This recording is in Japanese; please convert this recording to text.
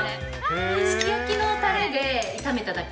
すき焼きのたれで炒めただけ。